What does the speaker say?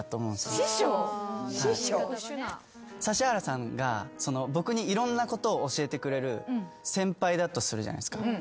指原さんが僕にいろんなことを教えてくれる先輩だとするじゃないですか。